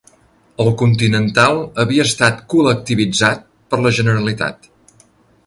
El Continental havia estat «col·lectivitzat» per la Generalitat